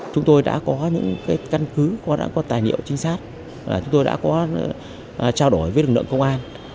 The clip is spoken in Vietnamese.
chúng tôi đã có những căn cứ chúng tôi đã có tài niệm chính xác chúng tôi đã có trao đổi với lực lượng công an